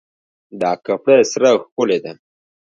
دا کپړه سره او ښکلې ده